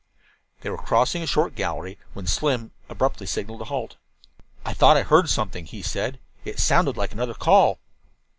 They were crossing a short gallery when Slim abruptly signaled a halt. "I thought I heard something," he said. "It sounded like another call."